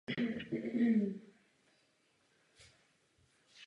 Toto období se také stalo obdobím formování moderního slovenského národa.